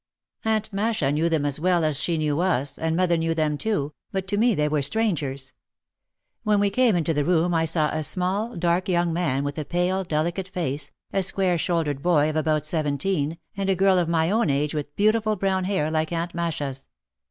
Aunt Masha knew them as well as she knew us, and mother knew them too, but to me they were strangers. When we came into the room I saw a small, dark young man with a pale, delicate face, a square shouldered boy of about seventeen and a girl of my own age with beau tiful brown hair like Aunt Masha's.